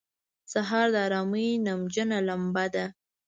سهار د آرامۍ نمجنه لمبه ده.